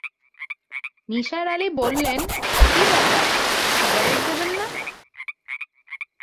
নিসার আলি বললেন, কী ব্যাপার, সিগারেট দেবেন না?